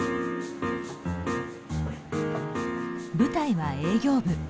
舞台は営業部。